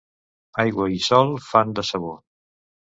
Aigua i sol fan de sabó.